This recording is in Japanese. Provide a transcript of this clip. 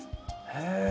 へえ。